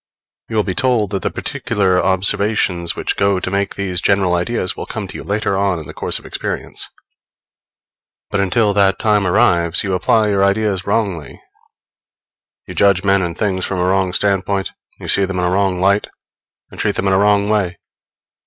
You will be told that the particular observations which go to make these general ideas will come to you later on in the course of experience; but until that time arrives, you apply your general ideas wrongly, you judge men and things from a wrong standpoint, you see them in a wrong light, and treat them in a wrong way.